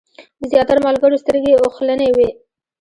د زیاترو ملګرو سترګې اوښلنې وې.